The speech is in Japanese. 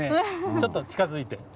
ちょっと近づいて。